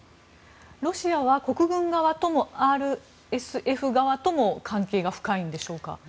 ロシアは国軍側とも、ＲＳＦ側とも関係が深いんでしょうか。